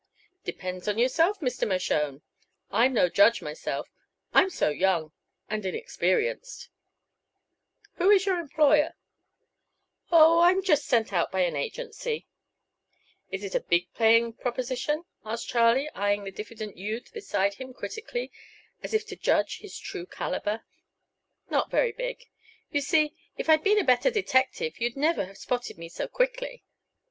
"Depends on yourself, Mr. Mershone; I'm no judge, myself. I'm so young and inexperienced." "Who is your employer?" "Oh, I'm just sent out by an agency." "Is it a big paying proposition?" asked Charlie, eyeing the diffident youth beside him critically, as if to judge his true caliber. "Not very big. You see, if I'd been a better detective you'd never have spotted me so quickly."